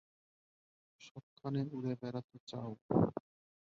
সবখানে উড়ে বেড়াতে চাও।